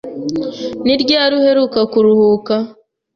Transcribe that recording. Ni ryari uheruka kuruhuka?